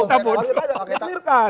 kita saja kita dikelirkan